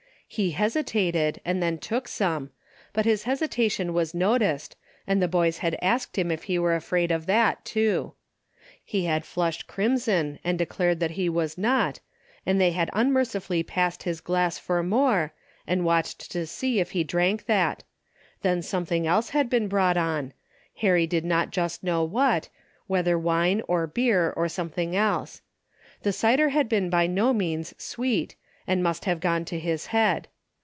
He hesitated and then took some, but his hesi tation was noticed and the boys had asked him if he were afraid of that too. He had 192 A DAILY BATE.'' flushed crimson and declared that he was not, and they had unmercifully passed his glass for more, and watched to see if he drank that. Then something else had been brought on, Harry did not just know what, whether wine or beer or something else. The cider had been by no means sweet and must have gone to his head.